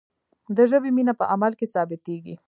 د ژبې مینه په عمل کې ثابتیږي.